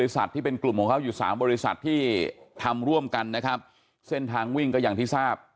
เส้นทางวิ่งก็อย่างที่ทราบ